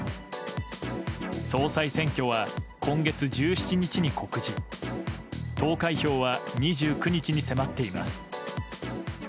総裁選挙は今月１７日に告示、投開票は２９日に迫っています。